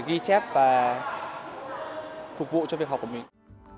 có thể ghi chép và phục vụ cho việc học của mình